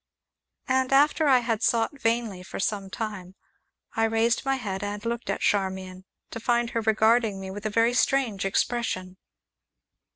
And, after I had sought vainly for some time, I raised my head and looked at Charmian, to find her regarding me with a very strange expression.